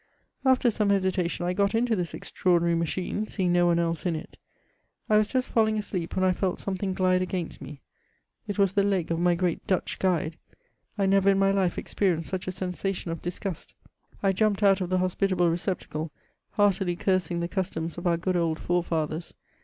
After some hesitation I got into this extraordinary machine, seeing no one else in it. I was just falling asleep when I feh something glide against me; it was the leg of my great Dutch guide ; I never in my life experienced such a sensation of disgust. I jumped out of the hospitable recep tacle, heartily cursing the customs of our good old forefathers.